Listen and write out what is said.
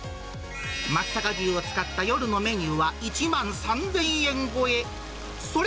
松阪牛を使った夜のメニューは１万３０００円超え。